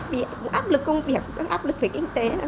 vì áp lực công việc áp lực về kinh tế